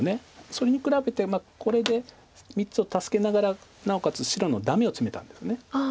それに比べてこれで３つを助けながらなおかつ白のダメをツメたんです。